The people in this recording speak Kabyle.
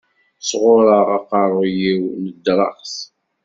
Sɣureɣ aqerru-iw nedreɣ-t.